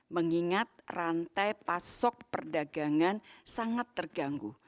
mengingat rantai pasok perdagangan sangat terganggu